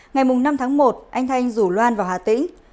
ngày năm tháng một anh thanh rủ loan vào hà tĩnh